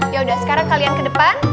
yaudah sekarang kalian ke depan